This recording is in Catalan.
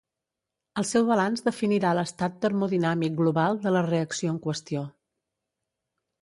El seu balanç definirà l'estat Termodinàmic global de la reacció en qüestió.